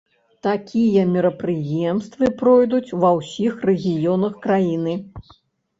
Такія мерапрыемствы пройдуць ва ўсіх рэгіёнах краіны.